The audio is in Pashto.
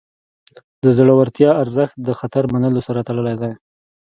د زړورتیا ارزښت د خطر منلو سره تړلی دی.